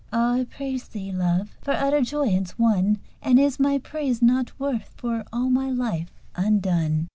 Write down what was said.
Ah! I praise thee, Love, for utter joyance won! "And is my praise nought worth for all my life undone?"